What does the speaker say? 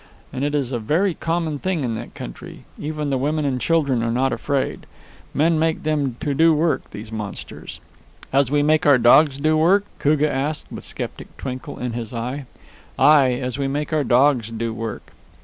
And it is a very common thing in that country. Even the women and children are not afraid. Men make them to do work, these monsters." "As we make our dogs do work?" Koogah asked, with sceptic twinkle in his eye. "Ay, as we make our dogs do work."